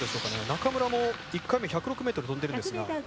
中村も１回目１０６ｍ飛んでるんですが。